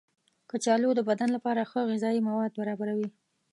کچالو د بدن لپاره ښه غذايي مواد برابروي.